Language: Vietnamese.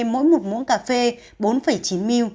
mỗi một muỗng cà phê bốn chín ml